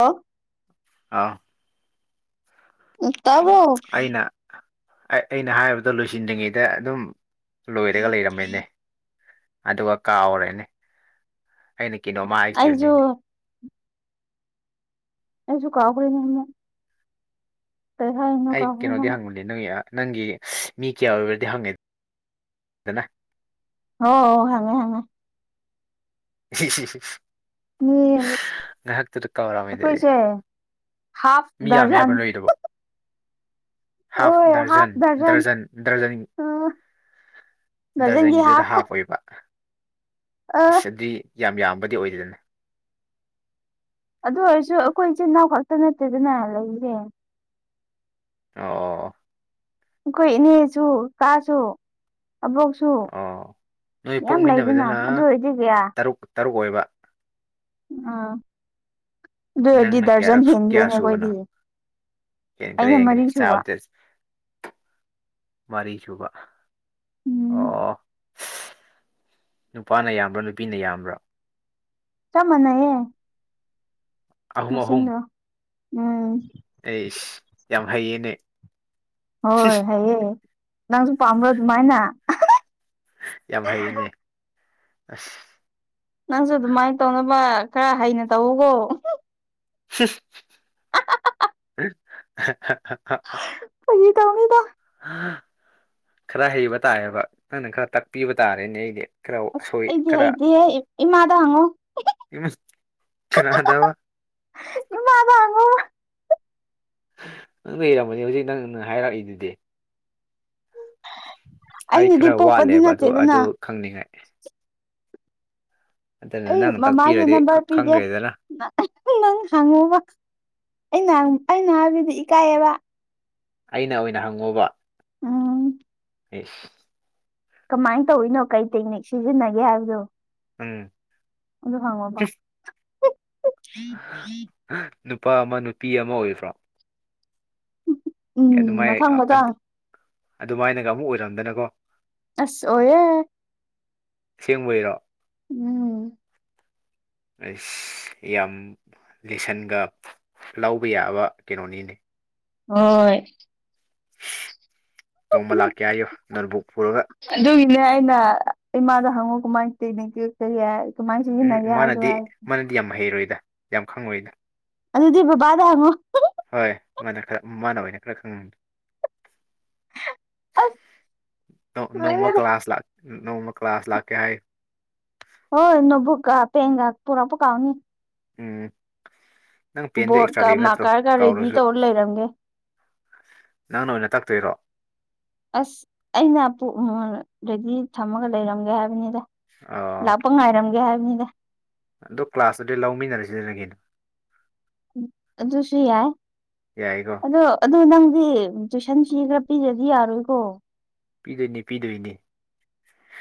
ꯂꯣ ꯑꯥ ꯎꯝ ꯇꯥꯕ꯭ꯔꯣ ꯑꯩꯅ ꯑꯩꯅ ꯍꯥꯏꯕꯗꯣ ꯂꯣꯏꯁꯤꯟꯗ꯭ꯔꯤꯉꯩꯗ ꯑꯗꯨꯝ ꯂꯣꯏꯔꯒ ꯂꯩꯔꯝꯃꯦꯅꯦ ꯑꯗꯨꯒ ꯀꯥꯎꯔꯦꯅꯦ ꯑꯩꯅ ꯀꯩꯅꯣꯝꯃ ꯑꯩꯁꯨ ꯍꯥꯏꯈꯤꯕꯅꯤꯅꯦ ꯑꯩꯁꯨ ꯀꯥꯎꯈ꯭ꯔꯦ [unintelligible] ꯑꯩ ꯀꯥꯎꯈ꯭ꯔꯦꯅꯦ ꯀꯩꯅꯣꯗꯤ ꯍꯪꯕꯅꯦ ꯅꯣꯏ ꯅꯪꯒꯤ ꯃꯤ ꯀꯌꯥ ꯑꯣꯏꯕꯗꯤ ꯍꯪꯉꯦ ꯗꯅ ꯑꯣ ꯑꯣ ꯍꯪꯉꯣ ꯍꯪꯉꯣ [unintelligible] ꯃꯣꯏ ꯍꯥꯏꯔꯞ ꯉꯥꯏꯍꯥꯛꯇꯨꯗ ꯀꯥꯎꯔꯝꯃꯤꯗꯨꯗꯤ ꯍꯥꯐ ꯗꯔꯖꯟ ꯅꯣꯏꯗꯨꯕꯣ ꯍꯥꯐ ꯍꯣꯏ ꯗꯔꯖꯟ ꯍꯥꯐ ꯗꯔꯖꯟ ꯗꯔꯖꯟ ꯑ ꯗꯔꯖꯟꯒꯤ ꯗꯔꯖꯟꯒꯤꯗꯨꯗ ꯍꯥꯐ ꯍꯥꯞ ꯑꯣꯏꯕ ꯑ ꯏꯁ ꯑꯗꯨꯏ ꯌꯥꯝ ꯌꯥꯝꯕꯗꯤ ꯑꯣꯏꯗꯦꯗꯅ ꯑꯗꯨ ꯑꯣꯏꯔꯁꯨ ꯑꯈꯣꯏ ꯏꯆꯤꯟ ꯏꯅꯥꯎ ꯈꯛꯇ ꯅꯠꯇꯦꯗꯅ ꯂꯩꯔꯤꯁꯦ ꯑꯣ ꯑꯣ ꯑꯣ ꯑꯈꯣꯢ ꯏꯅꯦꯁꯨ ꯀꯥꯁꯨ ꯑꯕꯣꯛꯁꯨ ꯁꯨ ꯑꯣ ꯅꯣꯏ ꯌꯥꯝ ꯂꯩꯗꯅꯥ ꯄꯣꯛꯃꯤꯟꯅꯕꯗꯅ ꯑꯗꯨ ꯑꯣꯏꯗꯤ ꯀꯌꯥ ꯇꯔꯨꯛ ꯇꯔꯨꯛ ꯑꯣꯏꯕ ꯑꯥ ꯑꯗꯨ ꯑꯣꯏꯔꯗꯤ ꯅꯪꯅ ꯀꯌꯥꯔꯛ ꯗꯔꯖꯟ ꯀꯌꯥ ꯍꯦꯟꯒ꯭ꯔꯦꯅꯦ ꯁꯨꯕꯅꯣ ꯑꯈꯣꯏꯗꯤ ꯍꯦꯟꯈ꯭ꯔꯦ ꯑꯩꯅ ꯍꯦꯟꯈ꯭ꯔꯦ ꯃꯔꯤ ꯁꯨꯕ ꯆꯥꯕꯗ ꯃꯔꯤ ꯁꯨꯕ ꯑꯣ ꯎꯝ ꯑꯣ ꯑꯣ ꯅꯨꯄꯥꯅ ꯌꯥꯝꯕ꯭ꯔꯥ ꯅꯨꯄꯤꯅ ꯌꯥꯝꯕ꯭ꯔꯥ ꯆꯞ ꯃꯥꯟꯅꯩꯌꯦ ꯑꯍꯨꯝ ꯑꯍꯨꯝ ꯃꯁꯤꯡꯗꯣ ꯎꯝ ꯑꯩꯁ ꯌꯥꯝ ꯍꯩꯌꯦꯅꯦ ꯍꯣꯏ ꯍꯩꯌꯦ ꯅꯪꯁꯨ ꯄꯥꯝꯕ꯭ꯔꯣ ꯑꯗꯨꯃꯥꯏꯅ ꯌꯥꯝ ꯍꯩꯅꯦ ꯑꯁ ꯅꯪꯁꯨ ꯑꯗꯨꯃꯥꯏꯅ ꯇꯧꯅꯕ ꯈꯔ ꯍꯩꯅ ꯇꯧꯑꯣꯒꯣ [unintelligible] ꯐꯒꯤ ꯇꯧꯅꯤꯗ ꯈꯔ ꯍꯩꯕ ꯇꯥꯏꯌꯦꯕ ꯅꯪꯅ ꯈꯔ ꯇꯥꯛꯄꯤꯕ ꯇꯥꯔꯦꯅꯦ ꯑꯩꯗꯤ ꯈꯔ ꯑꯁ ꯑꯁꯣꯏ ꯑꯩꯗꯤ ꯈꯔ ꯍꯩꯇꯦꯍꯦ ꯏꯃꯥꯗ ꯍꯪꯉꯣ ꯎꯝ ꯀꯅꯥꯗꯕꯥ ꯏꯃꯥꯗ ꯍꯪꯉꯨ꯫ ꯅꯪ ꯂꯩꯔꯝꯃꯅꯤ ꯍꯧꯖꯤꯛ ꯅꯪ ꯍꯥꯏꯔꯛꯏꯗꯨꯗꯤ꯫ ꯑꯩ ꯑꯩꯅꯗꯤ ꯈꯔ ꯄꯣꯛꯄꯗꯤ ꯋꯥꯠꯂꯦꯕ ꯑꯗꯨ ꯅꯠꯇꯦꯗꯅ ꯑꯗꯨ ꯈꯪꯅꯤꯡꯉꯥꯏ꯫ ꯑꯗꯨꯅ ꯑꯩ ꯅꯪ ꯃꯃꯥꯒꯤ ꯇꯥꯛꯄꯤꯔꯗꯤ ꯅꯝꯕꯔ ꯄꯤꯒꯦ꯫ ꯈꯪꯈ꯭ꯔꯦꯗꯅ [unintelligible] [unintelligible] ꯅꯪ ꯍꯥꯡꯉꯨꯕ꯫ ꯑꯩꯅ ꯍꯥꯢ ꯑꯩꯅ ꯍꯥꯏꯕꯗꯤ ꯏꯀꯥꯏꯌꯦꯕ꯫ ꯑꯩꯅ ꯑꯣꯏꯅ ꯍꯪꯉꯣꯕ? ꯎꯝ ꯏꯁ ꯀꯃꯥꯏꯟ ꯇꯧꯔꯤꯅꯣ ꯀꯩ ꯇꯦꯛꯅꯤꯛ ꯁꯤꯖꯤꯟꯅꯒꯦ ꯍꯥꯏꯕꯗꯨ? ꯎꯝ ꯑꯗꯨ ꯍꯪꯉꯣꯕ [unintelligible] ꯅꯨꯄꯥ ꯑꯃ ꯅꯨꯄꯤ ꯑꯃ ꯑꯣꯏꯕ꯭ꯔꯥ? ꯎꯝ ꯑꯗꯨꯃꯥꯏ ꯃꯊꯪ ꯃꯊꯪ ꯑꯗꯨꯃꯥꯏꯅꯒ ꯑꯃꯨꯛ ꯑꯣꯏꯔꯝꯗꯅꯀꯣ꯫ ꯑꯁ ꯑꯣꯢꯔꯦ꯫ ꯑꯁꯦꯡꯕꯩꯔꯣ? ꯎꯝ ꯑꯩꯁ ꯌꯥꯝ ꯂꯦꯁꯟꯒ ꯂꯧꯕ ꯌꯥꯕ ꯀꯩꯅꯣꯅꯤꯅꯦ꯫ ꯍꯣꯢ ꯅꯣꯡꯃ ꯂꯥꯛꯀꯦ ꯍꯥꯏꯌꯨ ꯅꯝꯕꯣ ꯄꯣꯔꯒ꯫ ꯑꯗꯨꯒꯤꯅꯦ ꯑꯩꯅ ꯏꯃꯥꯗ ꯍꯪꯉꯣ ꯀꯃꯥꯏꯟ [unintelligible] ꯀꯃꯥꯏꯟ ꯁꯤꯖꯤꯅꯒꯦ ꯍꯥꯏꯗꯨ ꯍꯥꯏ ꯗꯤ ꯌꯥꯝ ꯍꯩꯔꯣꯏꯗ ꯌꯥꯝ ꯈꯪꯉꯣꯏꯗ꯫ ꯑꯗꯨꯗꯤ ꯕꯕꯥꯗ ꯍꯪꯉꯣ꯫ ꯍꯣꯏ ꯃꯥꯅ ꯈꯔ ꯃꯥꯅ ꯑꯣꯏꯅ ꯈꯔ ꯈꯪꯉꯅꯤ꯫ ꯑꯁ ꯇꯝ ꯅꯣꯡꯃ ꯂꯣꯏꯔꯦꯗ ꯀ꯭ꯂꯥꯁ ꯂꯥꯛ ꯅꯣꯡꯃ ꯀ꯭ꯂꯥꯁ ꯂꯥꯛꯀꯦ ꯍꯥꯏ ꯍꯣꯏ ꯅꯣꯠꯕꯨꯛꯒ ꯄꯦꯟꯒ ꯄꯨꯔꯛꯄ ꯀꯥꯥꯎꯅꯤ꯫ ꯎꯝ ꯅꯪ ꯄꯦꯟꯗ ꯑꯦꯛꯁꯇ꯭ꯔꯥ ꯕꯣꯔꯗꯀ ꯂꯩꯕ ꯅꯠꯇ꯭ꯔꯣ ꯃꯥꯔꯀꯔꯒ ꯔꯦꯗꯤ ꯀꯥꯎꯔꯁꯨ? ꯇꯧꯔ ꯂꯩꯔꯝꯒꯦ ꯅꯪꯅ ꯑꯣꯏꯅ ꯇꯛꯇꯣꯏꯔꯣ? ꯑꯁ ꯑꯩꯅ ꯄꯨꯛ [unintelligible] ꯔꯦꯗꯤ ꯊꯝꯃꯒ ꯂꯩꯔꯝꯒꯦ ꯍꯥꯏꯕꯅꯤꯗ꯫ ꯑ [unintelligible] ꯉꯥꯏꯔꯝꯒꯦ ꯍꯥꯏꯕꯅꯤꯗ꯫ ꯑꯗꯣ ꯀ꯭ꯂꯥꯁꯇꯗꯤ ꯂꯧꯃꯤꯟꯅꯔꯁꯤꯗꯅꯒꯤ ꯑꯗꯨꯁꯨ ꯌꯥꯏ꯫ ꯌꯥꯏꯀꯣ? ꯑꯗꯣ ꯑꯗꯨ ꯅꯪꯗꯤ ꯇꯨꯏꯁꯟ ꯐꯤ ꯈꯔ ꯄꯤꯗ꯭ꯔꯗꯤ ꯌꯥꯔꯣꯏꯀꯣ꯫ ꯄꯤꯗꯣꯏꯅꯤ ꯄꯤꯗꯣꯏꯅꯤ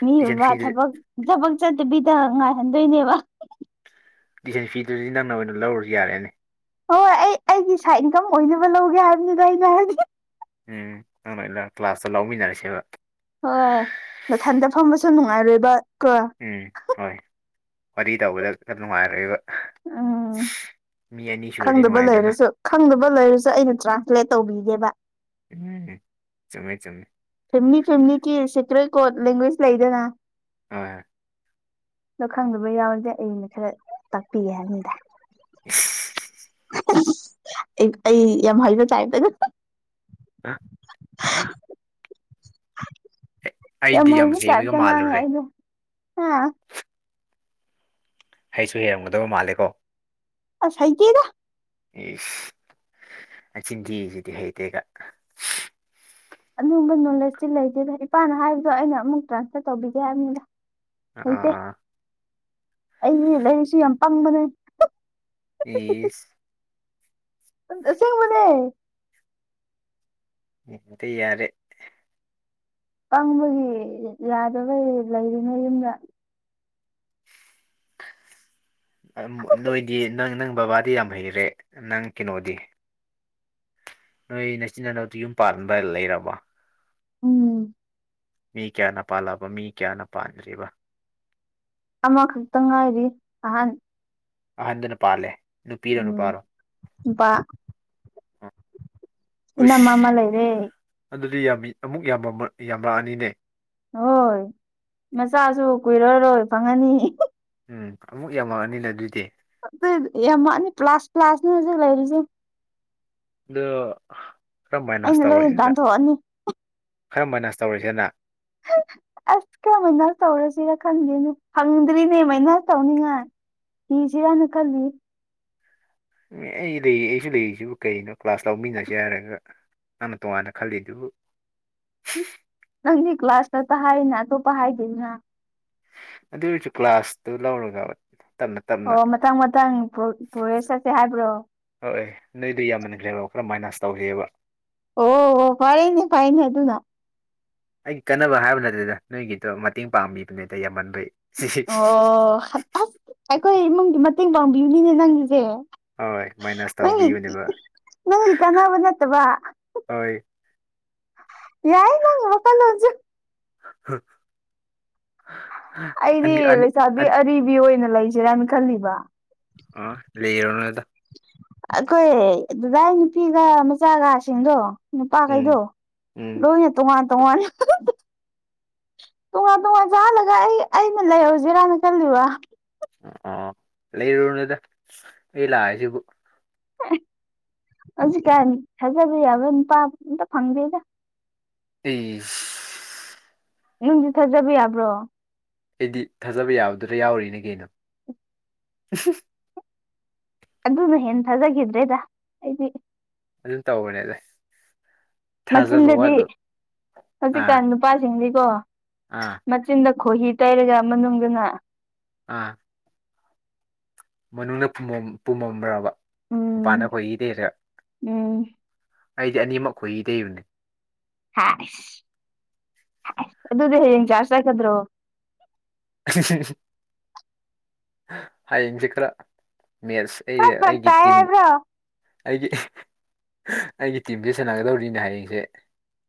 ꯃꯤ ꯇꯨꯏꯁꯟ ꯕꯕꯥ ꯐꯤꯗꯨ ꯊꯕꯛ ꯊꯕꯛ ꯆꯠꯇꯕꯤꯗ ꯉꯥꯏꯍꯟꯗꯣꯏꯅꯦꯕ꯫ ꯇꯨꯏꯁꯟ ꯐꯤꯗꯨꯗꯤ ꯅꯪꯅ ꯑꯣꯏꯅ ꯂꯧꯔꯨꯁꯨ ꯌꯥꯔꯦꯅꯦ꯫ ꯍꯣꯏ ꯑꯩ ꯑꯩꯒꯤ ꯁꯥꯏꯠ ꯏꯟꯀꯝ ꯑꯣꯏꯅꯕ ꯂꯧꯒꯦ ꯍꯥꯏꯕꯅꯤꯗ ꯑꯩꯩꯅ ꯍꯥꯏꯗꯤ꯫ ꯎꯝ ꯅꯪ ꯂꯣꯏꯂ ꯀ꯭ꯂꯥꯁꯇ ꯂꯧꯃꯤꯟꯅꯔꯁꯦꯕ ꯍꯣꯏ ꯅꯊꯟꯗ ꯐꯝꯕꯁꯨ ꯅꯨꯡꯉꯥꯏꯔꯣꯏꯕ ꯀꯣ꯫ ꯎꯝ ꯍꯣꯏ ꯋꯥꯔꯤ ꯇꯧꯕꯗ ꯈꯔ ꯅꯨꯡꯉꯥꯏꯔꯣꯏꯕ꯫ ꯎꯝ [unintelligible] ꯃꯤ ꯑꯅꯤ ꯁꯨꯔꯗꯤ ꯈꯪꯗꯕ ꯅꯨꯡꯉꯥꯏꯗꯅ꯫ ꯂꯩꯔꯁꯨ ꯈꯪꯗꯕ ꯂꯩꯔꯁꯨ ꯑꯩꯅ ꯇ꯭ꯔꯥꯟꯁꯂꯦꯠ ꯇꯧꯕꯤꯒꯦꯕ ꯆꯨꯃꯦ ꯆꯨꯃꯦ ꯐꯦꯝꯂꯤ ꯐꯦꯝꯂꯤꯒꯤ ꯁꯦꯀ꯭ꯔꯦꯠ ꯀꯣꯠ ꯂꯦꯡꯒ꯭ꯋꯦꯖ ꯂꯩꯗꯅ ꯍꯣꯏ ꯑꯗꯣ ꯈꯪꯗꯕ ꯌꯥꯎꯔꯗꯤ ꯑꯩꯅ ꯈꯔ ꯇꯥꯛꯄꯤꯒꯦ ꯍꯥꯏꯕꯅꯤꯗ [unintelligible] ꯑꯩ‌ ꯑꯩ ꯌꯥꯝ ꯍꯩꯏꯕ ꯇꯥꯏꯄꯇꯒ [unintelligible] ꯌꯥꯝ ꯑꯩꯗꯤ ꯍꯩꯕ ꯍꯩꯕꯒ ꯇꯥꯏꯄꯇ ꯉꯥꯡꯉꯦ ꯃꯥꯜꯂꯨꯔꯦ ꯑꯩꯗꫭ ꯍꯥ ꯍꯩꯁꯨ ꯍꯩꯔꯝꯒꯗꯕ ꯃꯥꯜꯂꯦꯀꯣ ꯑꯁ ꯍꯩꯇꯦꯗ ꯏꯁ ꯃꯆꯤꯟꯊꯤꯔꯤꯖꯤꯗꯤ ꯍꯩꯇꯦꯒ ꯑꯗꯨꯝꯕ ꯅꯣꯂꯦꯖꯇꯤ ꯂꯩꯗꯦꯗ ꯏꯄꯥꯅ ꯍꯥꯏꯕꯗꯣ ꯑꯩꯅ ꯑꯃꯨꯛ ꯇ꯭ꯔꯥꯟꯁꯂꯦꯠ ꯇꯧꯕꯤꯒꯦ ꯍꯥꯏꯕꯅꯤꯗ ꯍꯩꯇꯦ ꯑꯥ ꯑꯩꯗꯤ ꯂꯩꯥꯏꯔꯤꯛꯁꯨ ꯌꯥꯝ ꯄꯪꯕꯅꯦ ꯏꯁ ꯑꯁꯦꯡꯕꯅꯦ ꯇꯤ ꯌꯥꯔꯦ ꯄꯪꯕꯒꯤ ꯌꯥꯗꯕꯩ ꯂꯩꯔꯤꯅꯦ ꯌꯨꯝꯗ ꯅꯣꯏꯗꯤ ꯅꯪ ꯅꯪ ꯕꯕꯥꯗꯤ ꯌꯥꯝ ꯍꯩꯔꯦ ꯅꯪ ꯀꯩꯅꯣꯗꯤ ꯅꯣꯏ ꯅꯆꯤ ꯅꯅꯥꯎꯗ ꯌꯨꯝ ꯄꯥꯟꯕ ꯂꯩꯔꯕꫭ ꯎꯝ ꯃꯤ ꯀꯌꯥꯅ ꯄꯥꯜꯂꯕ ꯃꯤ ꯀꯌꯥꯅ ꯄꯥꯟꯗꯔꯤꯕ ꯑꯃꯈꯛꯇ ꯉꯥꯏꯔꯤ ꯑꯍꯥꯟ ꯑꯍꯟꯗꯨꯅ ꯄꯥꯜꯂꯦ ꯅꯨꯄꯤꯔꯣ ꯎꯝ ꯅꯨꯄꯥꯔꯣ ꯅꯨꯄꯥ ꯏꯅꯝꯃꯥ ꯑꯃ ꯎꯁ ꯂꯩꯔꯦ ꯑꯗꯨꯗꯤ ꯌꯥꯝꯃꯤ ꯑꯃꯨꯛ ꯌꯥꯝ ꯌꯥꯝꯔꯛꯑꯅꯤꯅꯦ ꯍꯣꯏ ꯃꯆꯥꯁꯨ ꯀꯨꯏꯔꯔꯣꯏ ꯐꯪꯉꯅꯤ ꯎꯝ ꯑꯃꯨꯛ ꯌꯥꯝꯃꯛꯑꯅꯤꯅꯦ ꯑꯗꯨꯗꯤ ꯑꯗꯨ ꯌꯥꯝꯃꯛꯅꯤ ꯄ꯭ꯂꯥꯁ ꯄꯂ꯭ꯁꯅꯤ ꯍꯧꯖꯤꯛ ꯂꯩꯔꯤꯁꯦ ꯗꯣ ꯑꯩꯅ ꯂꯣꯏ ꯇꯥꯟꯊꯣꯛꯑꯅꯤ ꯈꯔ ꯃꯥꯏꯅꯁ ꯇꯧꯔꯒꯦꯅ ꯑꯁ ꯀꯃꯥꯏꯅ ꯇꯧꯔꯁꯤꯔ ꯈꯪꯗꯦꯅꯦ ꯐꯪꯗ꯭ꯔꯤꯅꯦ ꯃꯥꯏꯅꯁ ꯇꯧꯅꯤꯉꯥꯏ ꯏꯖꯤꯔꯅ ꯀꯜꯂꯤꯌꯦ ꯑꯩ ꯂꯩ ꯑꯩꯁꯨ ꯂꯩꯔꯤꯖꯤꯕꯨ ꯀꯩꯅꯣ ꯀ꯭ꯂꯥꯁ ꯂꯧꯃꯤꯟꯅꯁꯦ ꯍꯥꯏꯔꯒ ꯅꯪꯅ ꯇꯣꯉꯥꯟꯅ ꯈꯜꯂꯤꯗꯨꯕꯨ ꯅꯪꯗꯤ ꯀ꯭ꯂꯥꯁꯇꯥꯇ ꯍꯥꯏꯅ ꯑꯇꯣꯞꯄ ꯍꯥꯏꯗꯦꯅ ꯑꯗꯨ ꯑꯩꯖꯨ ꯀ꯭ꯂꯥꯁꯇꫭ ꯂꯧꯔꯒ ꯇꯞꯅ ꯇꯞꯅ ꯑꯣ ꯃꯊꯪ ꯃꯊꯪ ꯄꯣ ꯄꯣꯏꯁ ꯆꯠꯁꯦ ꯍꯥꯏꯕ꯭ꯔꯣ ꯍꯣꯏ ꯅꯣꯏꯗꯣ ꯌꯥꯝꯃꯟꯈ꯭ꯔꯦꯕ ꯈꯔ ꯃꯥꯏꯅꯁ ꯇꯧꯁꯦꯕ ꯑꯣ ꯐꯩꯏꯅꯦ ꯐꯩꯏꯅꯦ ꯑꯗꯨꯅ ꯑꯩꯒꯤ ꯀꯥꯟꯅꯕ ꯍꯥꯏꯕ ꯅꯠꯇꯦꯗ ꯅꯣꯏꯒꯤꯗꯣ ꯃꯇꯦꯡ ꯄꯥꯡꯕꯤꯕꯅꯦꯗ ꯌꯥꯝꯃꯟꯕꯩ ꯑꯣ ꯑꯁ ꯑꯩꯈꯣꯏ ꯏꯃꯨꯡꯗꯤ ꯃꯇꯦꯡ ꯄꯥꯡꯕꯤꯕꯅꯤꯅꯦ ꯅꯪꯒꯤꯖꯦ ꯍꯣꯏ ꯃꯥꯏꯅꯁ ꯇꯧꯕꯤꯕꯅꯦꯕ ꯅꯪꯒꯤ ꯀꯥꯟꯅꯕ ꯅꯠꯇꯕ ꯍꯣꯏ ꯌꯥꯏ ꯅꯪ ꯋꯥꯈꯟꯂꯣꯟꯖꯨ [unintelligible] ꯑꯩꯗꯤ ꯑꯅꯤ ꯑꯅꯤ ꯑꯟ ꯂꯩꯁꯥꯕꯤ ꯑꯔꯤꯕꯤ ꯑꯣꯏꯅ ꯂꯩꯖꯤꯔꯅ ꯈꯜꯂꯤꯕ ꯑꯣ ꯂꯩꯔꯣꯅꯗ ꯑꯩꯈꯣꯏ ꯗꯗꯥꯏ ꯅꯨꯄꯤꯒ ꯃꯆꯥꯒꯁꯤꯡꯗꯣ ꯅꯨꯄꯥꯈꯩꯗꯣ ꯎꯝ ꯎꯝ ꯂꯣꯏꯅ ꯇꯣꯉꯥꯟ ꯇꯣꯉꯥꯟ ꯇꯣꯉꯥꯟ ꯇꯣꯉꯥꯟ ꯆꯥꯍꯜꯂꯒ ꯑꯩ ꯑꯩꯅ ꯂꯩꯍꯧꯖꯤꯔꯅ ꯈꯜꯂꯤꯕ ꯑꯣ ꯂꯩꯔꯨꯅꯨꯗ ꯑꯩ ꯂꯥꯛꯏꯖꯤꯕꯨ ꯍꯧꯖꯤꯛꯀꯥꯟ ꯊꯥꯖꯕ ꯌꯥꯕ ꯅꯨꯄꯥ ꯑꯝꯇꯥ ꯐꯪꯗꯦꯗ ꯑꯦ ꯅꯪꯗꯤ ꯊꯥꯖꯕ ꯌꯥꯕ꯭ꯔꯣ ꯑꯩꯗꯤ ꯊꯥꯖꯕ ꯌꯥꯕꯗꯨꯗ ꯌꯥꯎꯔꯤꯅꯤ ꯀꯩꯅꯣ ꯑꯗꯨꯅ ꯍꯦꯟꯅ ꯊꯥꯖꯈꯤꯗ꯭ꯔꯦꯗ ꯑꯩꯗꯤ ꯑꯗꯨꯝ ꯇꯧꯕꯅꯤꯗꯩ ꯃꯆꯤꯟꯗꯗꯤ ꯑꯥ ꯍꯧꯖꯤꯛꯀꯥꯟ ꯅꯨꯄꯥꯁꯤꯡꯗꯤꯀꯣ ꯑꯥ ꯃꯆꯤꯟꯗ ꯈꯣꯍꯤ ꯇꯩꯔꯒ ꯃꯅꯨꯡꯗꯅ ꯑꯥ ꯃꯅꯨꯡꯗ ꯐꯨꯃꯝ ꯄꯨꯝꯃꯝꯕ꯭ꯔꯕ ꯃꯄꯥꯟꯗ ꯎꯝ ꯈꯣꯍꯤ ꯇꯩꯔꯥ ꯎꯝ ꯑꯩꯗꯤ ꯑꯅꯤꯃꯛ ꯈꯣꯍꯤ ꯇꯩꯕꯅꯦ ꯍꯥꯏꯁ ꯍꯥꯏ ꯑꯗꯨꯗꯤ ꯍꯌꯦꯡ ꯆ꯭ꯔꯁ ꯆꯠꯀꯗ꯭ꯔꯣ [unintelligible] ꯍꯌꯦꯡꯗꯤ ꯈꯔ ꯃꯦꯠꯁ ꯑꯩ ꯈꯔ ꯐꯔꯛ ꯑꯩꯒꯤ ꯇꯥꯏ ꯇꯤꯝ ꯍꯥꯏꯕ꯭ꯔꯣ ꯑꯩꯒꯤ ꯑꯩꯒꯤ ꯇꯤꯝꯃꯦꯁ ꯁꯥꯟꯅꯒꯗꯧꯔꯤꯅꯦ ꯍꯌꯦꯡꯁꯦ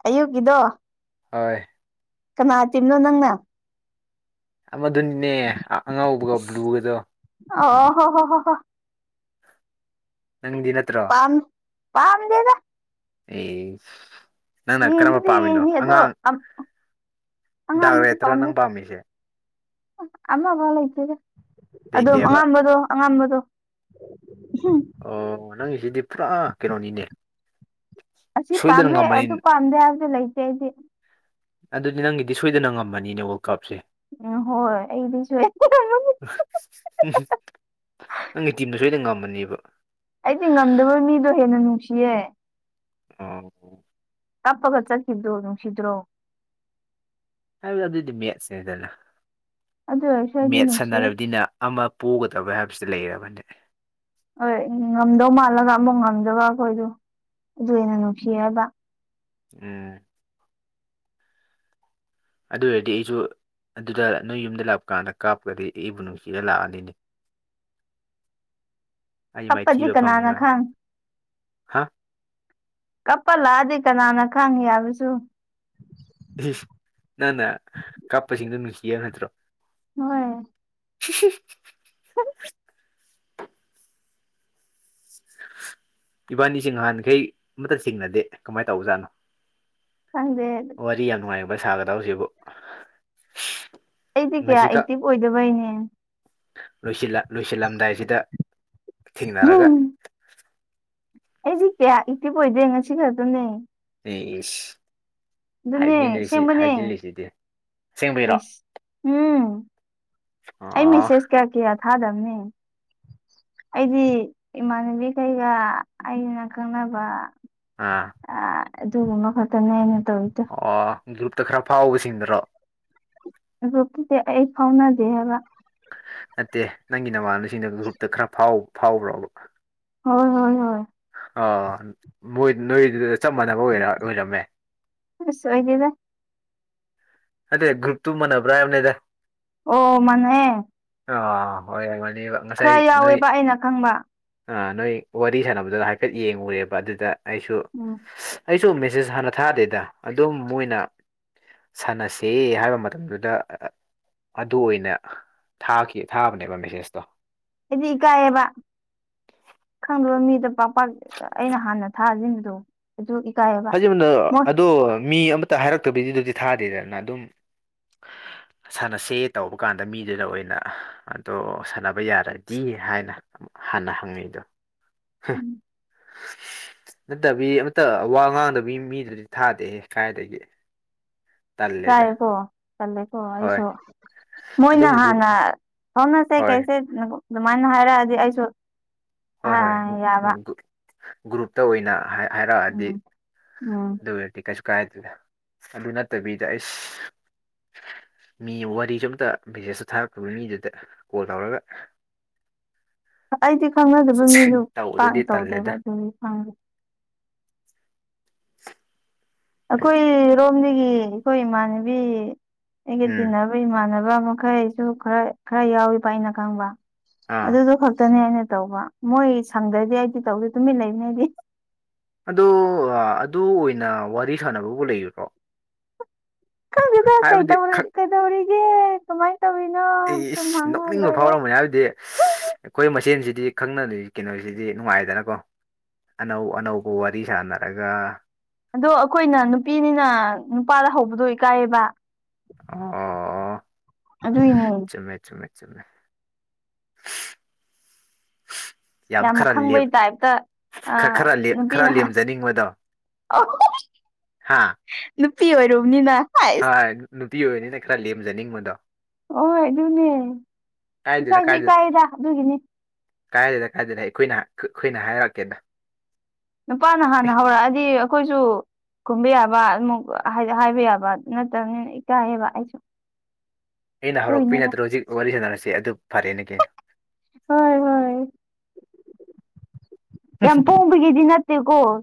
ꯑꯌꯨꯛꯀꯤꯗꯣ ꯍꯣꯏ ꯀꯅꯥꯏ ꯇꯤꯝꯅꯣ ꯅꯪꯅ ꯑꯃꯗꯨꯅꯤꯅꯦ ꯑꯉꯧꯕꯒ ꯕ꯭ꯂꯨꯒꯗꯣ ꯑꯣ ꯍꯣ ꯍꯣ ꯍꯣ ꯍꯣ ꯅꯪꯗꯤ ꯅꯠ ꯄꯥꯝ ꯄꯥꯝꯗꯦꯗ ꯑꯦ ꯅꯪꯅ ꯀꯔꯝꯕ ꯌꯦꯡꯕꯨꯗꯤ ꯄꯥꯝꯃꯤꯅꯣ ꯌꯦꯡꯅꯤ ꯑꯉꯥꯡ ꯑꯗꯣ ꯗꯥꯛꯔꯦꯠꯇꯨꯔꯣ ꯅꯪ ꯄꯥꯝꯃꯤꯁꯤ ꯑꯃꯐꯧ ꯂꯩꯇꯦꯗ ꯑꯗꯨꯝ ꯂꯩꯇꯦꯕ ꯑꯉꯝꯕꯗꯣ ꯑꯉꯝꯕꯗꯣ [unintelligible] ꯑꯣ ꯅꯪꯒꯤꯁꯤꯗꯤ ꯄꯨꯔꯥ ꯀꯩꯅꯣꯅꯤꯅꯦ ꯑꯁꯤ ꯁꯣꯏꯗꯅ ꯄꯥꯝꯃꯦ ꯉꯝꯃꯅꯤ ꯑꯗꯨ ꯄꯥꯝꯗꯦ ꯍꯥꯏꯕꯗꯨ ꯂꯩꯇꯦ ꯑꯩꯗꯤ ꯑꯗꯨꯗꯤ ꯅꯪꯒꯤꯗꯤ ꯁꯣꯏꯗꯅ ꯉꯝꯃꯅꯤꯅꯦ ꯋꯥꯔꯜ ꯀꯞꯁꯦ ꯎꯝ ꯍꯣꯏ ꯑꯩꯗꯤ ꯁꯣꯏꯗꯅ ꯉꯝꯅꯤ ꯅꯪꯒꯤ ꯇꯤꯝꯅ ꯁꯣꯏꯗ ꯉꯝꯃꯅꯤꯕ ꯑꯩꯗꯤ ꯉꯝꯗꯕ ꯃꯤꯗꯣ ꯍꯦꯟꯅ ꯅꯨꯡꯁꯤꯌꯦ ꯑꯣ ꯀꯞꯄꯒ ꯆꯠꯈꯤꯕꯗꯨ ꯅꯨꯡꯁꯤꯗ꯭ꯔꯣ ꯍꯥꯏꯕꯗꯤ ꯃꯦꯠꯁꯅꯦꯗꯅ ꯑꯗꯨ ꯑꯣꯏꯔꯁꯨ ꯑꯩꯗꯤ ꯃꯦꯠꯁ ꯅꯨꯡꯁꯤꯌꯦ ꯁꯥꯟꯅꯔꯕꯗꯤꯅ ꯑꯃ ꯄꯣꯒꯗꯕ ꯍꯥꯏꯕꯁꯤꯗꯤ ꯂꯩꯔꯕꯅꯦ ꯍꯣꯏ ꯉꯝꯗꯧ ꯃꯥꯜꯂꯒ ꯑꯃꯨꯛ ꯉꯝꯗꯕ ꯑꯈꯣꯏꯗꯨ ꯑꯗꯨ ꯍꯦꯟꯅ ꯅꯨꯡꯁꯤ ꯍꯥꯏꯕ ꯎꯝ ꯑꯗꯨ ꯑꯣꯏꯔꯗꯤ ꯑꯩꯁꯨ ꯑꯗꯨꯗ ꯅꯣꯏ ꯌꯨꯝꯗ ꯂꯥꯛꯄ ꯀꯥꯟꯗ ꯀꯥꯞꯒꯗꯤ ꯑꯩꯕꯨ ꯅꯨꯡꯁꯤꯔꯥ ꯂꯥꯛꯑꯅꯤꯅꯦ ꯑꯩ ꯀꯞꯄꯖꯤ ꯃꯥꯏꯊꯤꯕ ꯀꯅꯥꯅ ꯐꯪꯉꯒ ꯈꯪ ꯍꯥ ꯀꯞꯄꯑ ꯂꯥꯛꯑꯗꯤ ꯀꯅꯥꯅ ꯈꯪꯅꯤ ꯍꯥꯏꯕꯁꯨ ꯅꯪꯅ ꯀꯞꯄꯁꯤꯡꯗꯣ ꯅꯨꯡꯁꯤ ꯍꯥꯏ ꯅꯠꯇ꯭ꯔꯣ ꯍꯣꯏ [unintelligible] [unintelligible] ꯏꯕꯥꯅꯤꯁꯦ ꯅꯍꯥꯟꯈꯩ ꯑꯃꯇ ꯆꯤꯡꯅꯗꯦ ꯀꯃꯥꯏ ꯇꯧꯕ ꯖꯥꯠꯅꯣ ꯈꯪꯗꯦ ꯋꯥꯔꯤ ꯌꯥꯝ ꯅꯨꯡꯉꯥꯏꯕ ꯁꯥꯒꯗꯧꯁꯤꯕꯨ ꯑꯩꯗꯤ ꯀꯌꯥ ꯑꯦꯛꯇꯤꯚ ꯑꯣꯏꯗꯕꯩꯅꯦ ꯂꯣꯏꯁꯤꯜꯂ ꯂꯣꯏꯁꯤꯜꯂꯝꯗꯥꯏꯁꯤꯗ ꯊꯦꯡꯅꯔꯒ ꯑꯩꯗꯤ ꯀꯌꯥ ꯑꯦꯛꯇꯤꯚ ꯑꯣꯏꯗꯦ ꯉꯁꯤ ꯈꯛꯇꯅꯦ ꯑꯦ ꯏꯁ ꯑꯗꯨꯅꯦ ꯍꯥꯏꯖꯤꯂꯤꯁꯤ ꯑꯁꯦꯡꯕꯅꯦ ꯍꯥꯏꯖꯤꯜꯂꯤꯁꯤꯗꯤ ꯑꯁꯦꯡꯕꯩꯔꯣ ꯏꯁ ꯎꯝ ꯑꯩ ꯑꯣ ꯃꯦꯁꯦꯁ ꯀꯌꯥ ꯀꯌꯥ ꯊꯥꯗꯕꯅꯤ ꯑꯩꯗꯤ ꯏꯃꯥꯟꯅꯕꯤ ꯈꯩꯒ ꯑꯩꯅ ꯈꯪꯅꯕ ꯑꯥ ꯑꯥ ꯑꯗꯨꯒꯨꯝꯕ ꯈꯛꯇꯪꯅꯦ ꯑꯩꯅ ꯇꯧꯏꯔꯤꯁꯦ ꯑꯣ ꯒ꯭ꯔꯨꯞꯇ ꯈꯔ ꯐꯥꯎꯕꯁꯤꯡꯗꯨꯔꯣ ꯑꯦꯔꯣꯄꯤꯁꯦ ꯑꯩ ꯐꯥꯎꯅꯗꯦ ꯍꯥꯏꯕ ꯅꯠꯇꯦ ꯅꯪꯒꯤ ꯅꯃꯥꯟꯅꯕꯤꯁꯤꯡꯗꯣ ꯒ꯭ꯔꯨꯞꯇ ꯈꯔ ꯐꯥꯎ ꯐꯥꯎꯕ꯭ꯔꯣꯕ ꯍꯣꯏ ꯍꯣꯏ ꯍꯣꯏ ꯑꯣ ꯃꯣꯏ ꯅꯣꯏꯗꯨꯗ ꯆꯞ ꯃꯥꯟꯅꯕ ꯑꯣꯏꯔ ꯑꯣꯏꯔꯝꯃꯦ ꯑꯁ ꯑꯣꯏꯗꯦꯗ ꯑꯗꯣꯏ ꯒ꯭ꯔꯨꯞꯇꯨ ꯃꯥꯟꯅꯕ꯭ꯔꯥ ꯍꯥꯏꯕꯅꯦꯗ ꯑꯣ ꯃꯥꯅꯩꯌꯦ ꯑꯥ ꯑꯣꯏꯔꯝꯒꯅꯤꯕ ꯉꯁꯥꯏ ꯈꯔ ꯅꯣꯏ ꯌꯥꯎꯋꯦꯕ ꯑꯩꯅ ꯈꯪꯕ ꯑꯥ ꯅꯣꯏ ꯋꯥꯔꯤ ꯁꯥꯟꯅꯕꯗꯨꯗ ꯍꯥꯏꯐꯦꯠ ꯌꯦꯡꯉꯨꯔꯦꯕ ꯑꯗꯨꯗ ꯑꯩꯁꯨ ꯎꯝ ꯑꯩꯁꯨ ꯃꯦꯁꯦꯖ ꯍꯥꯟꯅ ꯊꯥꯗꯦꯗ ꯑꯗꯨꯝ ꯃꯣꯏꯅ ꯁꯥꯟꯅꯁꯦ ꯍꯥꯏꯕ ꯃꯇꯝꯗꯨꯗ ꯑꯗꯨ ꯑꯣꯏꯅ ꯊꯥꯈꯤ ꯊꯥꯕꯅꯦꯕ ꯃꯦꯁꯦꯁꯇꯣ ꯑꯩꯗꯤ ꯏꯀꯥꯏꯌꯦꯕ ꯈꯪꯕ ꯃꯤꯗ ꯄꯥꯛ ꯄꯥꯛ ꯑꯩꯅ ꯍꯥꯟꯅ ꯊꯥꯖꯤꯟꯕꯗꯣ ꯑꯗꯨ ꯏꯀꯥꯏ ꯍꯥꯏꯕ ꯊꯥꯖꯤꯟꯕꯗꯣ ꯑꯗꯣ ꯃꯤ ꯑꯃꯇ ꯍꯥꯏꯔꯛꯇꯕꯤꯗꯨꯗꯗꯤ ꯊꯥꯗꯦꯗꯅ ꯑꯗꯨꯝ ꯁꯥꯟꯅꯁꯦ ꯇꯧꯕ ꯀꯥꯟꯗ ꯃꯤꯗꯨꯅ ꯑꯣꯏꯅ ꯑꯗꯣ ꯁꯥꯟꯅꯕ ꯌꯥꯔꯗꯤ ꯍꯥꯏꯅ ꯍꯥꯟꯅ ꯍꯪꯉꯤꯗꯣ ꯍꯥ ꯐꯠꯇꯕꯤ ꯑꯃꯠꯇ ꯋꯥ ꯉꯥꯡꯗꯕꯤ ꯃꯤꯗꯨꯗꯤ ꯊꯥꯗꯦꯍꯦ ꯀꯥꯏꯗꯒꯤ ꯇꯜꯂꯦꯗ ꯇꯥꯏꯌꯦꯀꯣ ꯇꯜꯂꯦꯀꯣ ꯍꯣꯏ ꯑꯩꯁꯨ ꯃꯣꯏꯅ ꯑꯗꯨꯝ ꯒ꯭ꯔꯨꯞ ꯍꯥꯟꯅ ꯑꯣ ꯅꯠꯇꯦ ꯍꯣꯏ ꯀꯩꯁꯦ ꯑꯗꯨꯃꯥꯏꯅ ꯍꯥꯏꯔꯛꯑꯗꯤ ꯑꯩꯁꯨ ꯍꯣꯏ ꯍꯣꯏ ꯎꯝ ꯌꯥꯕ ꯎꯝ ꯒ꯭ꯔꯨꯞꯇ ꯑꯣꯏꯅ ꯍꯥꯏꯔꯛꯑꯗꯤ ꯎꯝ ꯎꯝ ꯑꯗꯨ ꯑꯣꯏꯔꯗꯤ ꯀꯩꯁꯨ ꯀꯥꯏꯗꯦꯗ ꯑꯗꯨ ꯅꯠꯇꯕꯤꯗ ꯑꯩꯁ ꯃꯤ ꯋꯥꯔꯤꯁꯨ ꯑꯝꯇ ꯃꯦꯁꯦꯖꯁꯨ ꯊꯥꯔꯛꯇꯕ ꯃꯤꯗꯨꯗ ꯀꯣꯜ ꯇꯧꯔꯒ ꯑꯩꯗꯤ ꯈꯪꯅꯗꯕ ꯃꯤꯗꯨ ꯄꯥꯛꯅ ꯇꯧꯕꯗꯨꯗꯤ ꯇꯧꯗꯦꯕ ꯇꯜꯂꯦꯗ ꯑꯗꯨꯒꯤ ꯈꯪꯗꯦ ꯑꯈꯣꯏꯔꯣꯝꯗꯒꯤ ꯑꯩꯈꯣꯏ ꯏꯃꯥꯟꯅꯕꯤ ꯑꯩꯒ ꯎꯝ ꯇꯤꯟꯅꯕ ꯈꯣꯏ ꯏꯃꯥꯟꯅꯕ ꯃꯈꯩꯁꯨ ꯈꯔ ꯈꯔ ꯌꯥꯎꯏꯕ ꯑꯩꯅ ꯈꯪꯕ ꯑꯥ ꯑꯗꯨꯗꯣ ꯈꯛꯇꯅꯦ ꯑꯩꯅ ꯇꯧꯕ ꯃꯣꯏ ꯁꯪꯗ꯭ꯔꯗꯤ ꯑꯩꯗꯤ ꯇꯧꯗꯦ ꯇꯨꯃꯤꯟ ꯂꯩꯕꯅꯦ ꯑꯩꯗꯤ ꯑꯗꯣ ꯑꯗꯨ ꯑꯣꯏꯅ ꯋꯥꯔꯤ ꯁꯥꯟꯅꯕꯕꯨ ꯂꯩꯒꯗꯔꯣ ꯇꯦꯗ ꯀꯩ ꯇꯧꯔꯤ ꯈꯛ ꯀꯩ ꯇꯧꯔꯤꯒꯦ ꯁꯨꯃꯥꯏ ꯏꯁ ꯅꯣꯛꯅꯤꯡꯕ ꯐꯥꯎꯔꯝꯃꯣꯏ ꯍꯥꯏꯕꯗꯤ ꯑꯩꯈꯣꯏ ꯃꯁꯦꯟꯁꯤꯗꯤ ꯈꯪꯅꯔꯤ ꯀꯩꯅꯣꯁꯤꯗꯤ ꯅꯨꯡꯉꯥꯏꯗꯅꯀꯣ ꯑꯅꯧ ꯑꯅꯧꯕ ꯋꯥꯔꯤ ꯁꯥꯟꯅꯔꯒ ꯑꯗꯣ ꯑꯩꯈꯣꯏꯅ ꯅꯨꯄꯤꯅꯤꯅ ꯅꯨꯄꯥꯗ ꯍꯧꯕꯗꯣ ꯏꯀꯥꯏꯌꯦꯕ ꯑꯣ ꯑꯗꯨꯏꯅꯦ ꯆꯨꯝꯃꯦ ꯆꯨꯝꯃꯦ ꯆꯨꯝꯃꯦ ꯌꯥꯝ ꯈꯔ ꯈꯪꯕꯩ ꯂꯦꯞ ꯇꯥꯏꯞꯇ ꯈꯔ ꯑꯥ ꯈꯔ ꯂꯦꯝ ꯈꯔ ꯅꯨꯄꯤꯅ ꯍꯟ ꯂꯦꯝꯖꯅꯤꯡꯕꯗꯣ ꯅꯨꯄꯤ ꯑꯣꯏꯔꯨꯕꯅꯤꯅ ꯍꯥꯏꯁ ꯍꯣꯢ ꯅꯨꯄꯤ ꯑꯣꯏꯕꯅꯤꯅ ꯈꯔ ꯂꯦꯝꯖꯅꯤꯡꯕꯗꯣ ꯍꯣꯏ ꯑꯗꯨꯅꯦ ꯀꯥꯏꯗꯦꯗ ꯏꯀꯥꯏꯁꯨ ꯀꯥꯏꯗꯦꯗ ꯏꯀꯥꯏꯌꯦꯗ ꯑꯗꯨꯒꯤꯅꯤ ꯀꯥꯏꯗꯦꯗ ꯀꯥꯏꯗꯦꯅ ꯑꯩꯈꯣꯏꯅ ꯈꯨꯠ ꯑꯩꯈꯣꯏꯅ ꯍꯥꯏꯔꯛꯀꯦꯗ ꯅꯨꯄꯥꯅ ꯍꯥꯟꯅ ꯍꯧꯔꯛꯑꯗꯤ ꯑꯩꯈꯣꯏꯁꯨ ꯀꯨꯝꯕ ꯌꯥꯕ ꯑꯃꯨꯛ ꯍꯥꯏꯕ ꯌꯥꯕ ꯅꯠꯇꯕꯅꯤꯅ ꯏꯀꯥꯏꯌꯦꯕ ꯑꯩꯁꯨ ꯑꯩꯅ ꯍꯧꯔꯛꯄꯒꯤ ꯑꯗꯨꯏꯅꯤꯗ ꯅꯠꯇ꯭ꯔꯣ ꯍꯧꯖꯤꯛ ꯋꯥꯔꯤ ꯁꯥꯟꯅꯔꯤꯁꯦ ꯑꯗꯨ ꯐꯔꯦꯅꯦ ꯀꯩꯅꯣ ꯍꯣꯏ ꯍꯣꯏ ꯌꯥꯝ ꯄꯣꯡꯕꯒꯤꯗꯤ ꯅꯠꯇꯦꯀꯣ